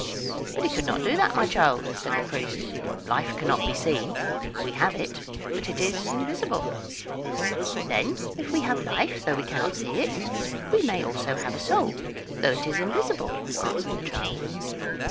"But he could not do that, my child," said the priest. "Life cannot be seen; we have it, but it is invisible." "Then if we have life, though we cannot see it, we may also have a soul, though it is invisible," answered the child.